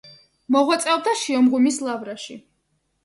მოღვაწეობდა შიომღვიმის ლავრაში.